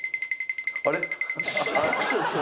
あれ？